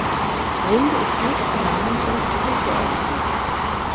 Runde ist nicht namentlich zugeordnet.